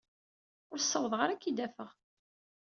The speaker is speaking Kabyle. Ur ssawḍeɣ ara ad k-id-afeɣ.